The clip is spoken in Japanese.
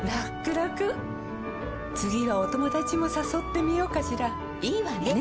らくらくはお友達もさそってみようかしらいいわね！